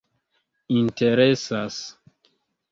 interesas